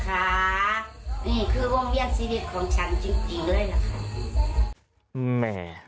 ค่ะนี่คือวงเบียนซีรีสของฉันจริงจริงเลยแหละค่ะ